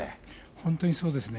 本当にそうですね。